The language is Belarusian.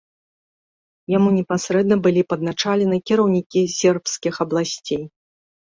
Яму непасрэдна былі падначалены кіраўнікі сербскіх абласцей.